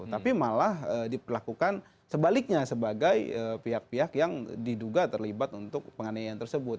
tapi malah dilakukan sebaliknya sebagai pihak pihak yang diduga terlibat untuk penganiayaan tersebut